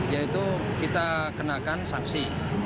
yaitu kita kenakan sanksi